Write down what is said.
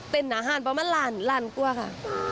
เต้นอาหารเพราะมันลั่นลั่นกลัวค่ะ